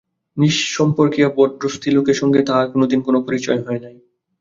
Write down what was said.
নিঃসম্পর্কীয়া ভদ্রস্ত্রীলোকের সঙ্গে তাহার কোনোদিন কোনো পরিচয় হয় নাই।